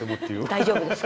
大丈夫です。